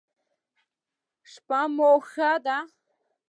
شپه مو ښه ده